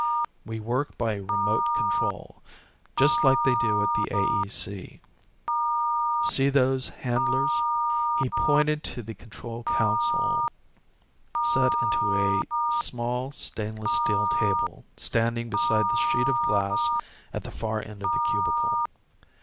"We work by remote control, just like they do at the AEC. See those handlers?" He pointed to the control console set into a small stainless steel table standing beside the sheet of glass at the far end of the cubicle.